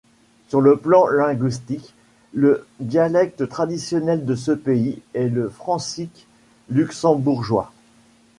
Sur le plan linguistique, le dialecte traditionnel de ce pays est le francique luxembourgeois.